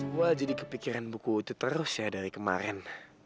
gue jadi kepikiran buku itu terus ya dari kemarin